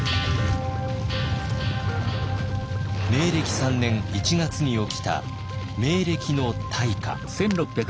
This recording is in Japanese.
明暦３年１月に起きた明暦の大火。